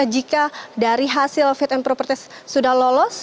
jika dari hasil fit and properties sudah lolos